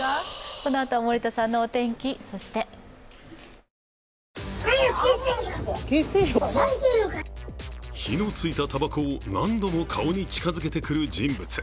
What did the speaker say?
このあとは森田さんのお天気、そして火のついたたばこを何度も顔に近づけてくる人物。